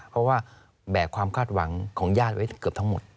เพราะว่าแบกความคาดหวังของญาติไว้เกือบทั้งหมด